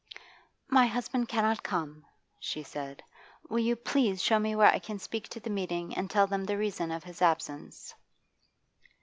'My husband cannot come,' she said. 'Will you please show me where I can speak to the meeting and tell them the reason of his absence?